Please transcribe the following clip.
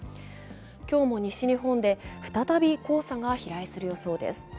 今日も西日本で再び黄砂が飛来する予想です。